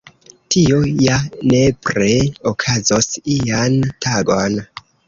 Tio ja nepre okazos ian tagon.